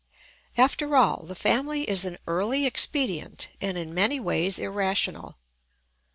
After all, the family is an early expedient and in many ways irrational.